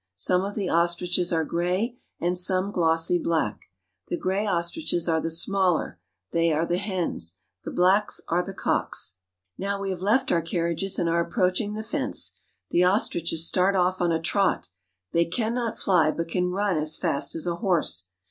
Some of the r ostriches are gray and some glossy black. The gray L ostriches are the smaller, they are the hens ; the black ones ^^1 are the cocks. ^^H Now we have left our carriages and are approaching ^^r the fence. The ostriches start off on a trot. They can ' not fly, but can run as fast as a horse.